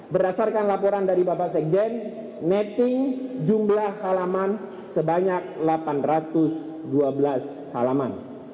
berdasarkan laporan dari bapak sekjen netting jumlah halaman sebanyak delapan ratus dua belas halaman